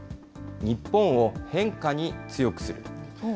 日本を変化に強くする。